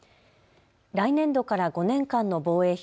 来年度から５年間の防衛費